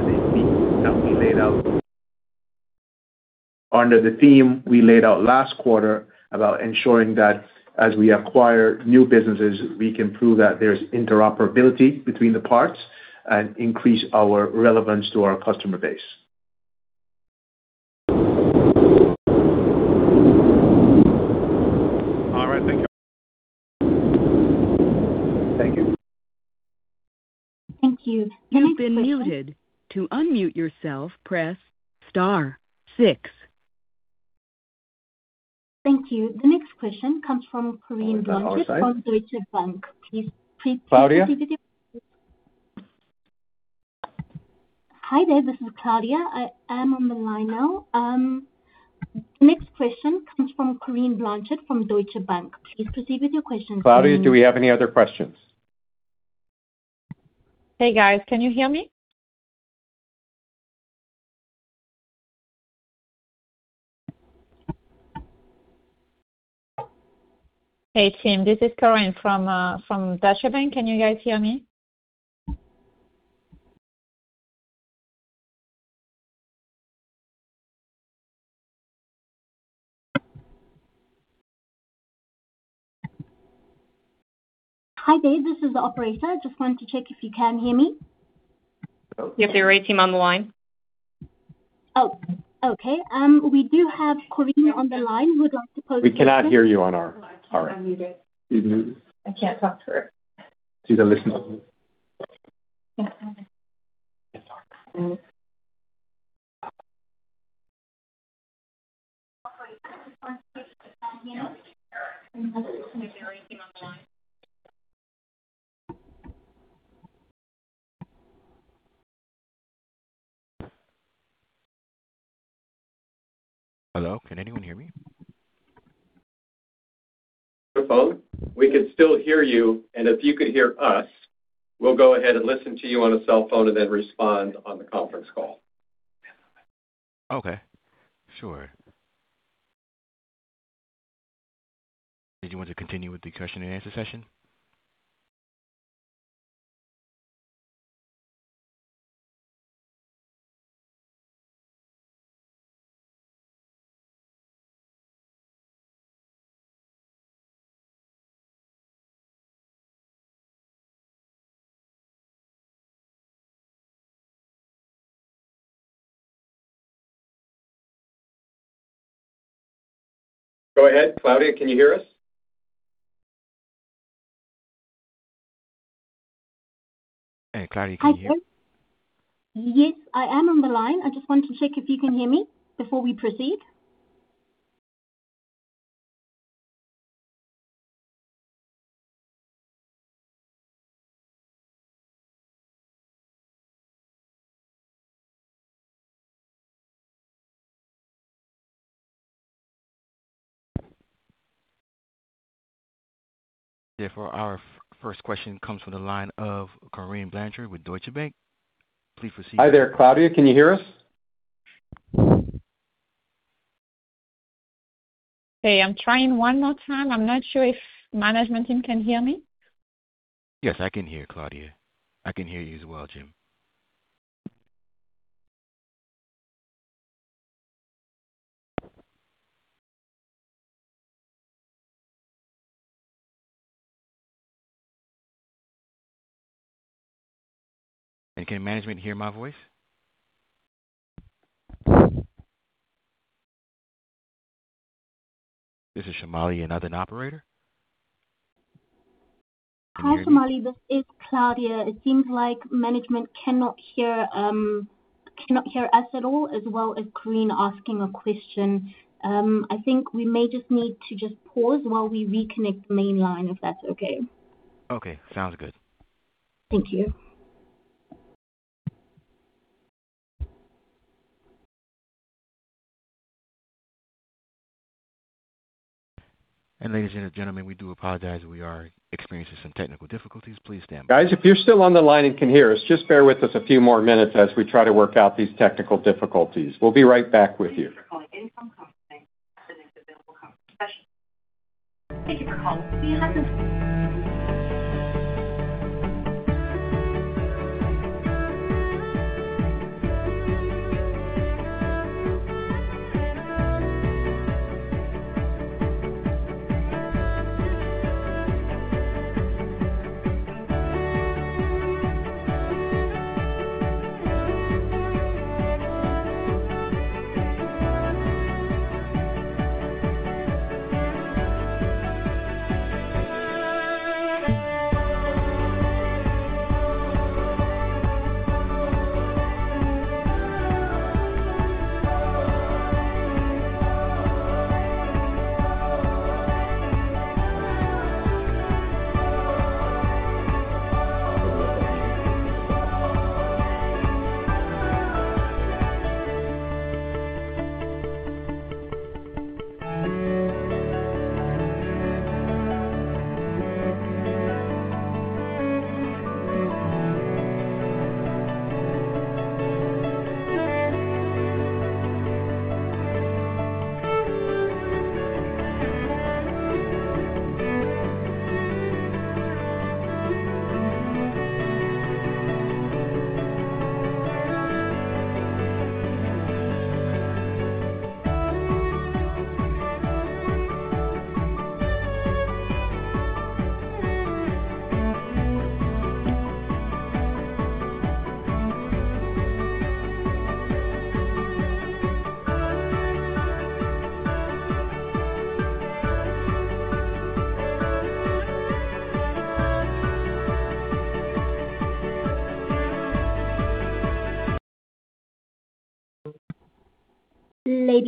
the theme we laid out last quarter about ensuring that as we acquire new businesses, we can prove that there's interoperability between the parts and increase our relevance to our customer base. All right. Thank you. [Technical difficulties]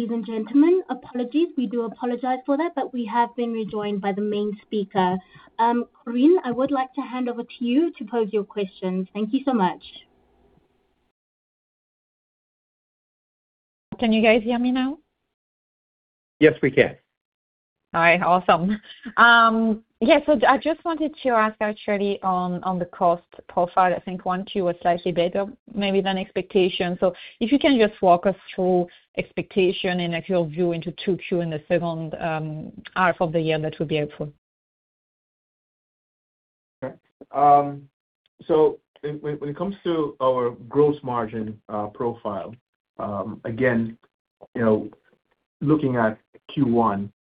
Ladies and gentlemen, apologies. We do apologize for that, but we have been rejoined by the main speaker. Corinne, I would like to hand over to you to pose your questions. Thank you so much. Can you guys hear me now? Yes, we can. All right. Awesome. Yeah. I just wanted to ask actually on the cost profile. I think one, two was slightly better maybe than expectation. If you can just walk us through expectation and actual view into 2Q in the second half of the year, that would be helpful. When it comes to our gross margin profile, again, you know, looking at Q1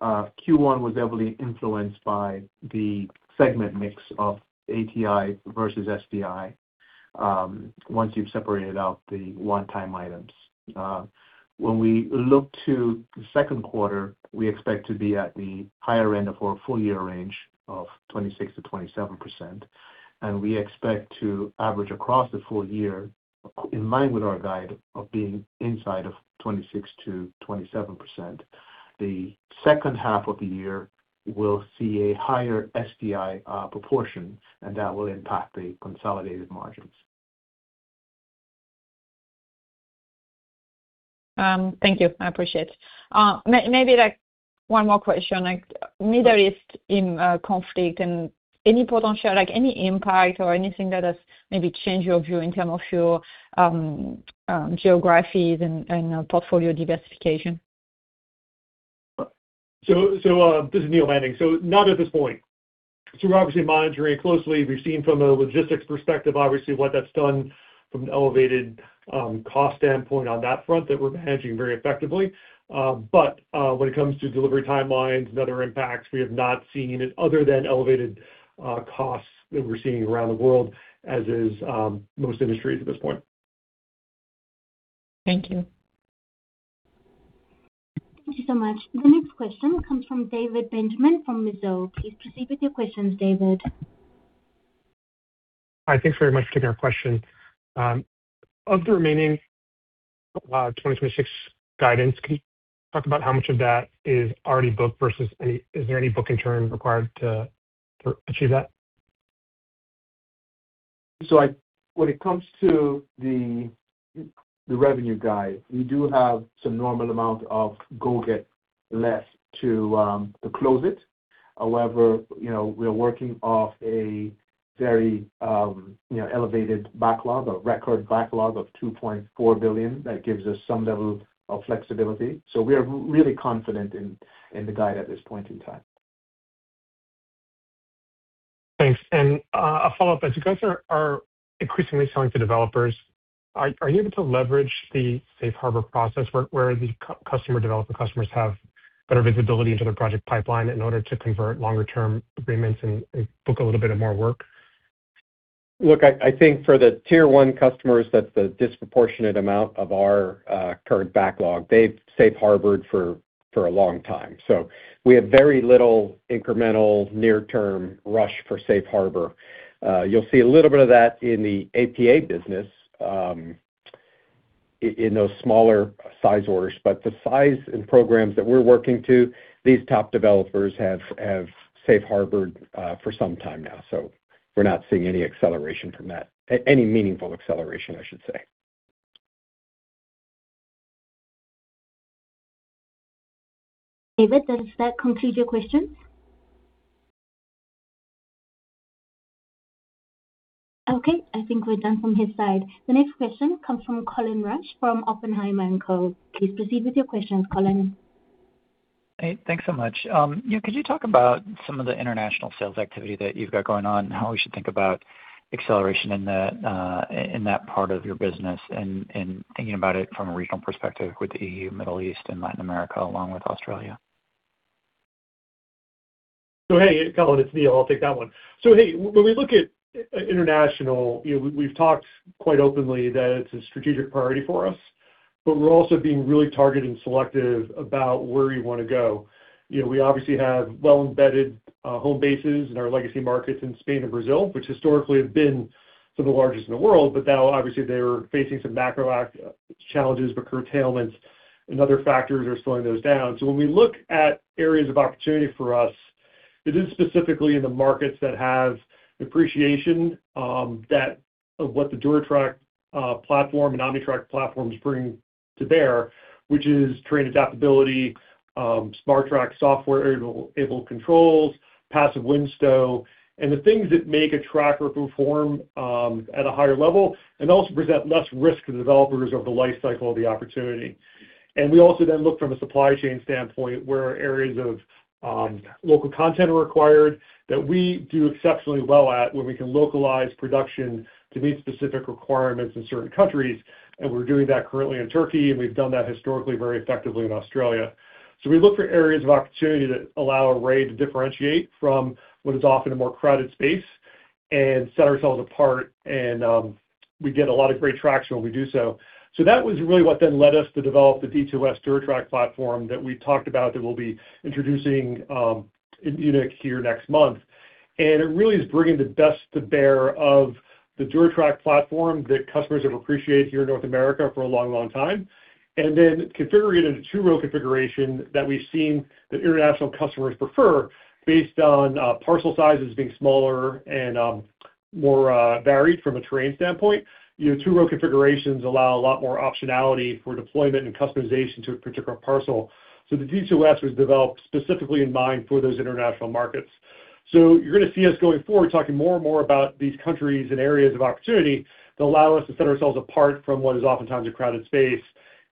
was heavily influenced by the segment mix of ATI versus STI, once you've separated out the one-time items. When we look to the second quarter, we expect to be at the higher end of our full year range of 26%-27%, and we expect to average across the full year in line with our guide of being inside of 26%-27%. The second half of the year will see a higher STI proportion, and that will impact the consolidated margins. Thank you. I appreciate. Maybe like one more question. Like, Middle East in conflict and any potential like any impact or anything that has maybe changed your view in terms of your geographies and portfolio diversification? This is Neil Manning. Not at this point. We're obviously monitoring closely. We've seen from a logistics perspective, obviously, what that's done from an elevated cost standpoint on that front that we're managing very effectively. When it comes to delivery timelines and other impacts, we have not seen it other than elevated costs that we're seeing around the world, as is most industries at this point. Thank you. Thank you so much. The next question comes from David Benjamin from Mizuho. Please proceed with your questions, David. Hi. Thanks very much for taking our question. Of the remaining 2026 guidance, can you talk about how much of that is already booked versus is there any book-to-bill required to achieve that? When it comes to the revenue guide, we do have some normal amount of go get less to close it. However, you know, we're working off a very, you know, elevated backlog, a record backlog of $2.4 billion that gives us some level of flexibility. We are really confident in the guide at this point in time. Thanks. A follow-up. As you guys are increasingly selling to developers, are you able to leverage the safe harbor process where the customer developer customers have better visibility into their project pipeline in order to convert longer term agreements and book a little bit of more work? Look, I think for the Tier 1 customers, that's the disproportionate amount of our current backlog. They've safe harbored for a long time. We have very little incremental near-term rush for safe harbor. You'll see a little bit of that in the APA business, in those smaller-size orders. The size and programs that we're working to, these top developers have safe harbored for some time now. We're not seeing any acceleration from that. Any meaningful acceleration, I should say. David, does that conclude your questions? Okay, I think we're done from his side. The next question comes from Colin Rusch from Oppenheimer & Co. Please proceed with your questions, Colin. Hey, thanks so much. Could you talk about some of the international sales activity that you've got going on and how we should think about acceleration in that in that part of your business and thinking about it from a regional perspective with the EU, Middle East, and Latin America, along with Australia? Hey, Colin, it's Neil. I'll take that one. Hey, when we look at international, you know, we've talked quite openly that it's a strategic priority for us, but we're also being really targeted and selective about where we wanna go. You know, we obviously have well-embedded home bases in our legacy markets in Spain and Brazil, which historically have been some of the largest in the world. Now obviously they were facing some macro challenges with curtailments and other factors are slowing those down. When we look at areas of opportunity for us, it is specifically in the markets that have appreciation, that of what the DuraTrack platform and OmniTrack platforms bring to bear, which is terrain adaptability, SmarTrack software-enabled controls, passive Windstow, and the things that make a tracker perform at a higher level and also present less risk to developers over the life cycle of the opportunity. We also then look from a supply chain standpoint where areas of local content are required that we do exceptionally well at, where we can localize production to meet specific requirements in certain countries. We're doing that currently in Turkey, and we've done that historically very effectively in Australia. We look for areas of opportunity that allow Array to differentiate from what is often a more crowded space and set ourselves apart. We get a lot of great traction when we do so. That was really what then led us to develop the D2S DuraTrack platform that we talked about, that we'll be introducing in Munich here next month. It really is bringing the best to bear The DuraTrack platform that customers have appreciated here in North America for a long, long time, and then configure it in a two-row configuration that we've seen that international customers prefer based on parcel sizes being smaller and more varied from a terrain standpoint. You know, two-row configurations allow a lot more optionality for deployment and customization to a particular parcel. The D2S was developed specifically in mind for those international markets. You're gonna see us going forward, talking more and more about these countries and areas of opportunity that allow us to set ourselves apart from what is oftentimes a crowded space.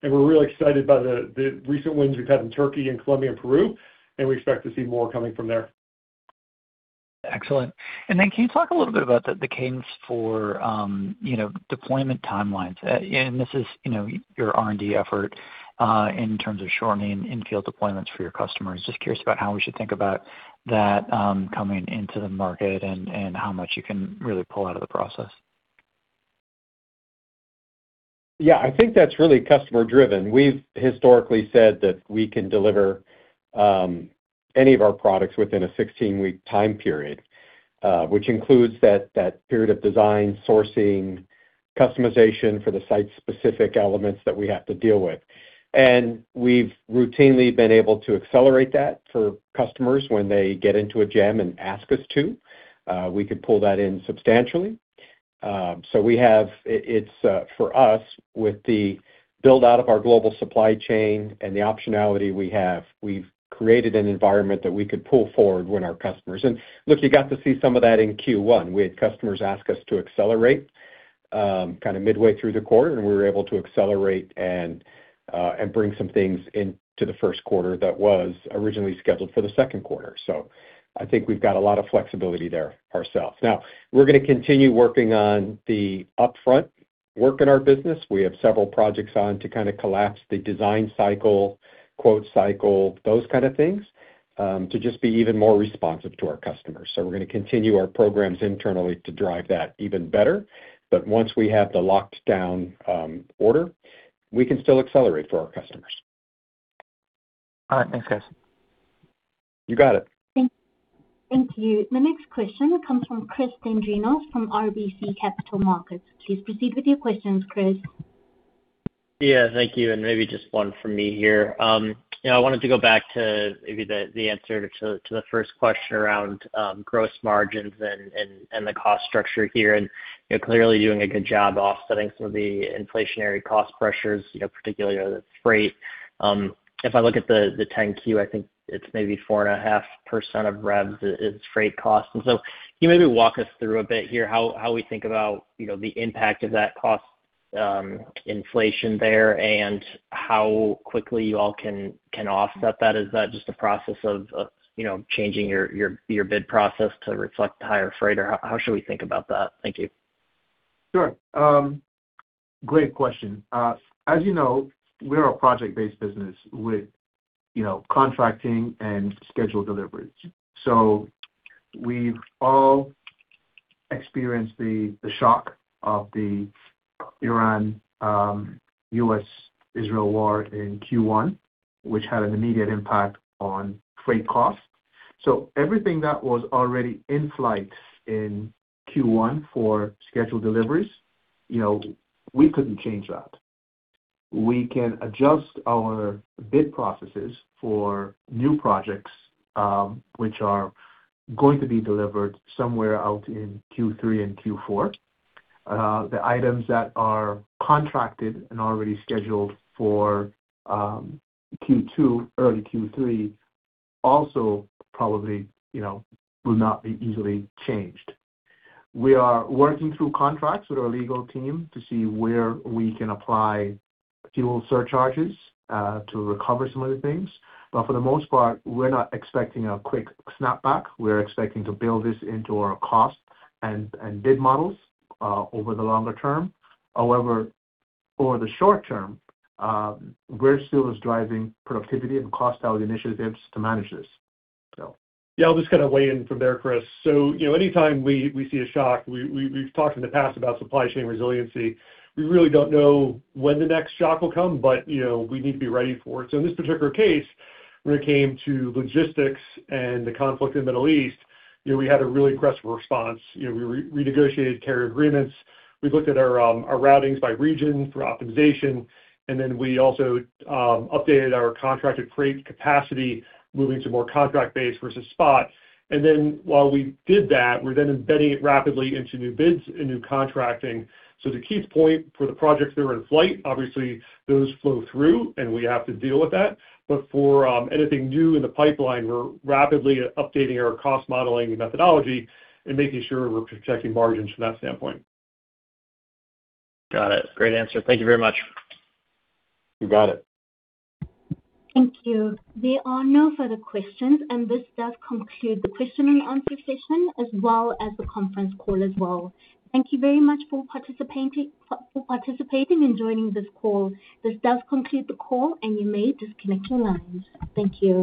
We're really excited by the recent wins we've had in Turkey and Colombia and Peru, and we expect to see more coming from there. Excellent. Can you talk a little bit about the cadence for, you know, deployment timelines? This is, you know, your R&D effort in terms of shortening in-field deployments for your customers. Just curious about how we should think about that coming into the market and how much you can really pull out of the process. I think that's really customer driven. We've historically said that we can deliver any of our products within a 16-week time period, which includes that period of design, sourcing, customization for the site-specific elements that we have to deal with. We've routinely been able to accelerate that for customers when they get into a jam and ask us to. We can pull that in substantially. It's for us, with the build-out of our global supply chain and the optionality we have, we've created an environment that we could pull forward. Look, you got to see some of that in Q1. We had customers ask us to accelerate, kind of midway through the quarter, and we were able to accelerate and bring some things into the first quarter that was originally scheduled for the second quarter. I think we've got a lot of flexibility there ourselves. We're gonna continue working on the upfront work in our business. We have several projects on to kind of collapse the design cycle, quote cycle, those kind of things, to just be even more responsive to our customers. We're gonna continue our programs internally to drive that even better. Once we have the locked-down order, we can still accelerate for our customers. All right. Thanks, guys. You got it. Thank you. The next question comes from Chris Dendrinos from RBC Capital Markets. Please proceed with your questions, Chris. Yeah. Thank you, and maybe just one from me here. You know, I wanted to go back to maybe the answer to the first question around gross margins and the cost structure here and, you know, clearly doing a good job offsetting some of the inflationary cost pressures, you know, particularly on the freight. If I look at the 10-Q, I think it's maybe 4.5% of revs is freight costs. Can you maybe walk us through a bit here how we think about, you know, the impact of that cost inflation there and how quickly you all can offset that? Is that just a process of, you know, changing your bid process to reflect higher freight? Or how should we think about that? Thank you. Sure. Great question. As you know, we are a project-based business with, you know, contracting and scheduled deliveries. We've all experienced the shock of the Iran, U.S.-Israel war in Q1, which had an immediate impact on freight costs. Everything that was already in flight in Q1 for scheduled deliveries, you know, we couldn't change that. We can adjust our bid processes for new projects, which are going to be delivered somewhere out in Q3 and Q4. The items that are contracted and already scheduled for Q2, early Q3 also probably, you know, will not be easily changed. We are working through contracts with our legal team to see where we can apply fuel surcharges to recover some of the things. For the most part, we're not expecting a quick snapback. We're expecting to build this into our cost and bid models, over the longer term. However, for the short term, Greystar is driving productivity and cost out initiatives to manage this. Yeah. I'll just kinda weigh in from there, Chris. You know, anytime we see a shock, we've talked in the past about supply chain resiliency. We really don't know when the next shock will come, but, you know, we need to be ready for it. In this particular case, when it came to logistics and the conflict in the Middle East, you know, we had a really aggressive response. You know, we renegotiated carrier agreements. We looked at our routings by region for optimization, we also updated our contracted freight capacity, moving to more contract base versus spot. While we did that, we're then embedding it rapidly into new bids and new contracting. The key point for the projects that are in flight, obviously those flow through, and we have to deal with that. For anything new in the pipeline, we're rapidly updating our cost modeling methodology and making sure we're protecting margins from that standpoint. Got it. Great answer. Thank you very much. You got it. Thank you. There are no further questions. This does conclude the questioning and answer session, as well as the conference call. Thank you very much for participating, for participating and joining this call. This does conclude the call. You may disconnect your lines. Thank you.